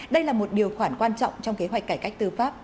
đây là một điều khoản quan trọng trong kế hoạch cải cách tư pháp